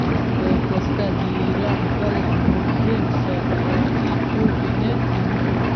آیا پسته د ایران بل مهم صادراتي توکی نه دی؟